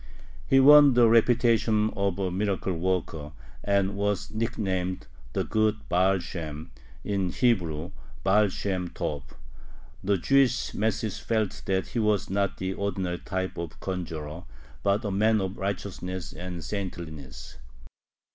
He won the reputation of a miracle worker, and was nicknamed the "good Baal Shem" (in Hebrew, Baal Shem Tob). The Jewish masses felt that he was not the ordinary type of conjurer, but a man of righteousness and saintliness.